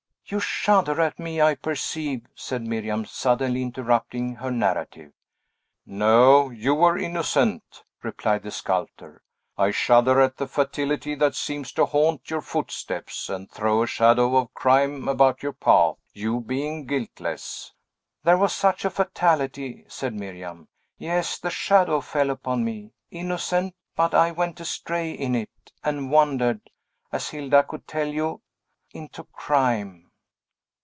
"You shudder at me, I perceive," said Miriam, suddenly interrupting her narrative. "No; you were innocent," replied the sculptor. "I shudder at the fatality that seems to haunt your footsteps, and throws a shadow of crime about your path, you being guiltless." "There was such a fatality," said Miriam; "yes; the shadow fell upon me, innocent, but I went astray in it, and wandered as Hilda could tell you into crime."